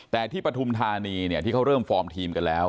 แต่ที่ปฐุมธานีที่เขาเริ่มฟอร์มทีมกันแล้ว